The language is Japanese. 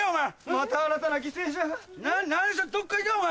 また新たな犠牲者が。